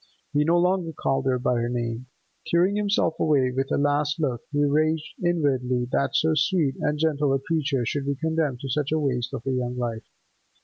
He no longer called her by her name. Tearing himself away, with a last look, he raged inwardly that so sweet and gentle a creature should be condemned to such a waste of her young life.